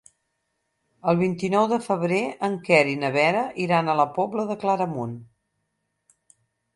El vint-i-nou de febrer en Quer i na Vera iran a la Pobla de Claramunt.